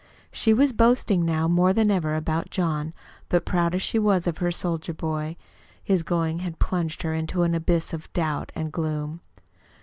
She was boasting now more than ever about John; but, proud as she was of her soldier boy, his going had plunged her into an abyss of doubt and gloom.